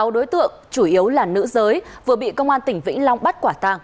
sáu đối tượng chủ yếu là nữ giới vừa bị công an tỉnh vĩnh long bắt quả tàng